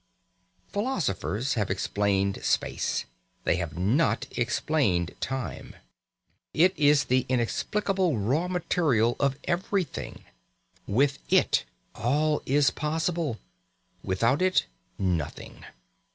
Philosophers have explained space. They have not explained time. It is the inexplicable raw material of everything. With it, all is possible; without it, nothing.